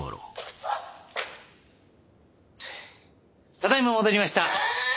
ただいま戻りました・あぁ！